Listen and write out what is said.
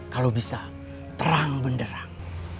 kalau bisa terang benderang